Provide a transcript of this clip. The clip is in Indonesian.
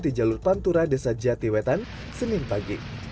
di jalur pantura desa jatiwetan senin pagi